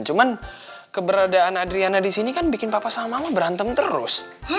cuman keberadaan adriana di sini kan bikin papa sama mama berantem terus